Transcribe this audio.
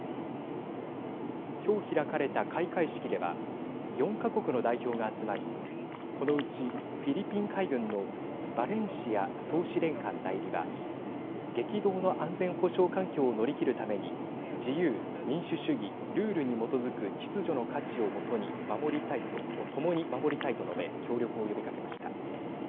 今日、開かれた開会式では４か国の代表が集まりこのうちフィリピン海軍のバレンシア総司令官代理は激動の安全保障環境を乗り切るために自由、民主主義、ルールに基づく秩序の価値を基に共に守りたいと述べ協力を呼びかけました。